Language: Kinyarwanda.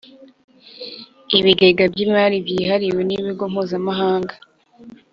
ibigega by imari byihariwe n’ibigo mpuzamahanga